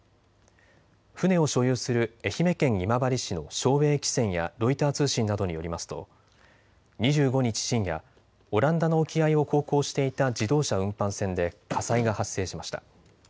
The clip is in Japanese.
船を所有する愛媛県今治市の正栄汽船やロイター通信などによりますと２５日深夜、オランダの沖合を航行していた自動車運搬船で火災が発生しました。